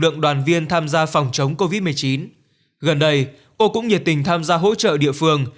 lượng đoàn viên tham gia phòng chống covid một mươi chín gần đây cô cũng nhiệt tình tham gia hỗ trợ địa phương